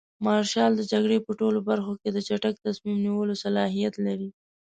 مارشال د جګړې په ټولو برخو کې د چټک تصمیم نیولو صلاحیت لري.